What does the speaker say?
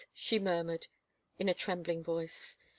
she murmured in a trembling voice.